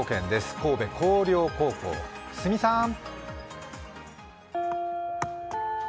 神戸弘陵高校、鷲見さん。